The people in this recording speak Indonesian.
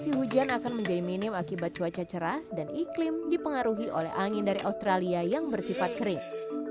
kondisi hujan akan menjadi minim akibat cuaca cerah dan iklim dipengaruhi oleh angin dari australia yang bersifat kering